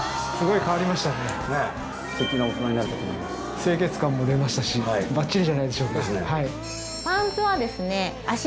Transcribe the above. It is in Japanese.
清潔感も出ましたしばっちりじゃないでしょうか。